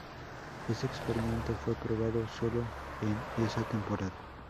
Este experimento fue probado sólo en esa temporada.